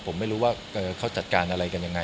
ผมไม่รู้ว่าเขาจัดการอะไรกันยังไง